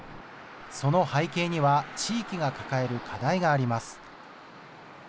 その背景には地域が抱える課題があります。